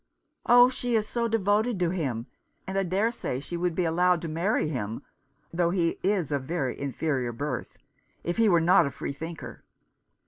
" Oh, she is so devoted to him ; and I dare say she would be allowed to marry him — though he is of very inferior birth — if he were not a free thinker."